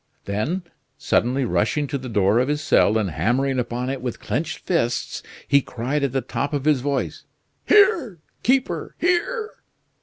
Then, suddenly rushing to the door of his cell, and hammering upon it with clenched fists, he cried at the top of his voice: "Here! keeper! here!"